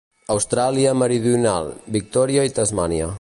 Austràlia Meridional, Victòria i Tasmània.